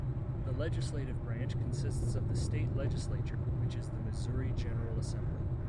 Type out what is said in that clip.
The legislative branch consists of the state legislature, which is the Missouri General Assembly.